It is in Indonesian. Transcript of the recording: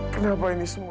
kenapa ini semua